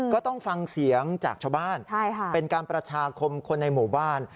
ก็ต้องฟังเสียงจากชาวบ้านเป็นการประชาคมคนในหมู่บ้าน